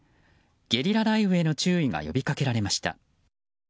ゲリラ雷雨への注意が呼び掛けられました。